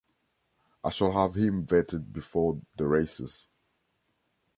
I shall have him vetted before the races.